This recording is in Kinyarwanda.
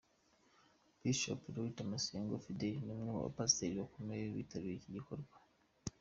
Bishop Dr Masengo Fidele ni umwe mu bapasiteri bakomeye bitabiriye iki gikorwa.